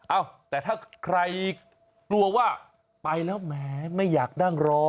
เอ้าแต่ถ้าใครกลัวว่าไปแล้วแหมไม่อยากนั่งรอ